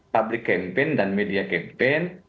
public campaign dan media campaign